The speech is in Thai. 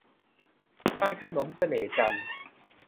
พานขนมเสน่ห์จันทร์